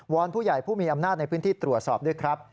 อนผู้ใหญ่ผู้มีอำนาจในพื้นที่ตรวจสอบด้วยครับ